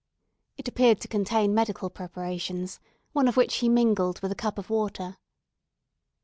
It appeared to contain medical preparations, one of which he mingled with a cup of water.